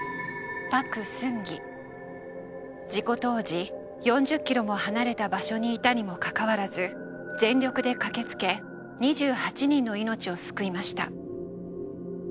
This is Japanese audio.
事故当時４０キロも離れた場所にいたにもかかわらず全力で駆けつけ２８人の命を救いました。